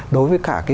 đối với cả cái